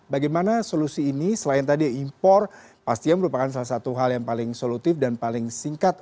bagaimana solusi ini selain tadi impor pastinya merupakan salah satu hal yang paling solutif dan paling singkat